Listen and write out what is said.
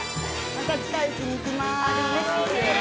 また近いうちに行きます。